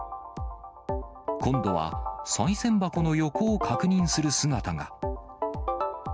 今度はさい銭箱の横を確認する姿が。